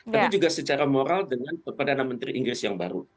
tapi juga secara moral dengan perdana menteri inggris yang baru